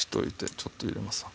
ちょっと入れますわ。